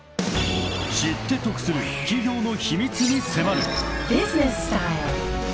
［知って得する企業の秘密に迫る］